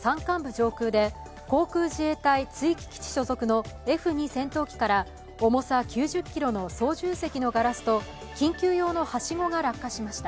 上空で航空自衛隊築城基地所属のＦ２戦闘機から重さ９０ｋｇの操縦席のガラスと緊急用のはしごが落下しました。